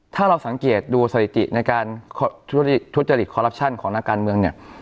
ถ้าเราสังเกตดูสถิติในการทุจริตคอรัปชั่นของนักการเมืองเนี่ย